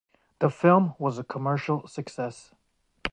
The film was a commercial success.